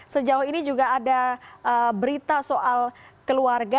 sejauh ini juga ada berita soal keluarga